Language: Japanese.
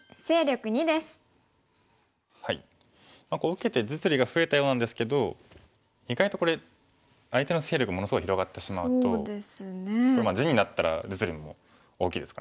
受けて実利が増えたようなんですけど意外とこれ相手の勢力ものすごい広がってしまうとこれ地になったら実利も大きいですからね。